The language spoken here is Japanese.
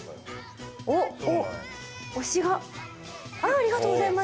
ありがとうございます。